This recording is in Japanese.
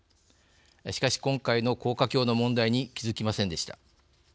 しかし今回の高架橋の問題に気づきませんでした。